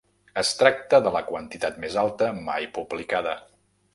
Es tracta de la quantitat més alta mai publicada.